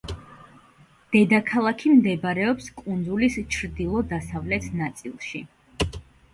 დედაქალაქი მდებარეობს კუნძულის ჩრდილო-დასავლეთ ნაწილში.